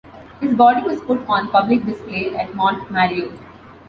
His body was put on public display at Monte Mario.